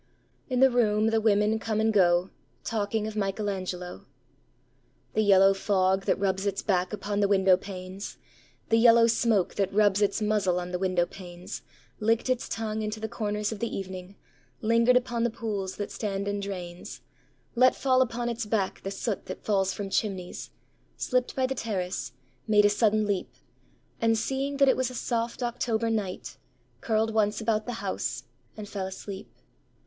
In the room the women come and goTalking of Michelangelo.The yellow fog that rubs its back upon the window panes, The yellow smoke that rubs its muzzle on the window panesLicked its tongue into the corners of the evening, Lingered upon the pools that stand in drains, Let fall upon its back the soot that falls from chimneys, Slipped by the terrace, made a sudden leap, And seeing that it was a soft October night, Curled once about the house, and fell asleep.